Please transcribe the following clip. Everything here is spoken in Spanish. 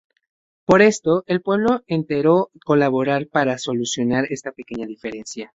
Por esto, el pueblo entero colabora para solucionar esa pequeña diferencia.